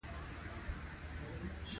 ور روزي كړى شي، وايي به: دا خو همغه دي چې: